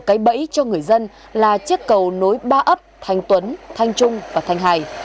cái bẫy cho người dân là chiếc cầu nối ba ấp thanh tuấn thanh trung và thanh hải